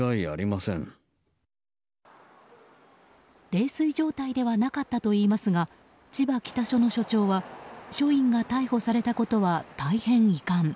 泥酔状態ではなかったといいますが千葉北署の署長は署員が逮捕されたことは大変遺憾。